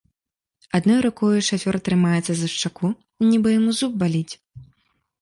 Адной рукою шафёр трымаецца за шчаку, нібы яму зуб баліць.